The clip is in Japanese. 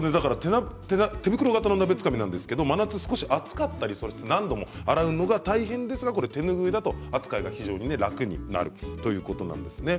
手袋型の鍋つかみ夏は暑かったり何度も洗うのは大変ですが、手ぬぐいだと扱いが楽になるということです。